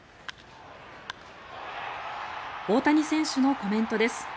大谷選手のコメントです。